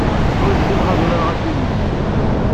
Ur ssineɣ ad urareɣ atennis.